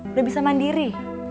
udah bisa mandiri